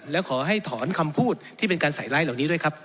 และขอให้ถอนคำพูดที่เป็นการใส่ไลค์เหล่านี้ด้วยครับ